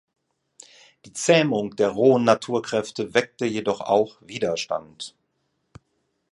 Die Zähmung der rohen Naturkräfte weckte jedoch auch Widerstand.